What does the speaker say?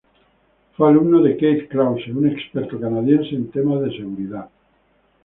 Fue alumno de Keith Krause, un experto canadiense en temas de seguridad.